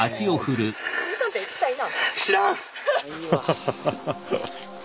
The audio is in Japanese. ハハハハッ！